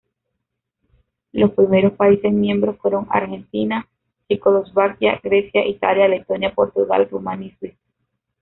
Los primeros países miembros fueron Argentina, Checoslovaquia, Grecia, Italia, Letonia, Portugal, Rumania y Suiza.